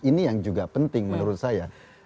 ini yang juga penting menurut saya